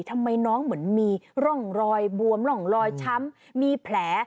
ทำไมน้องเหมือนมีร่องรอยบวมร่องรอยช้ำมีแผล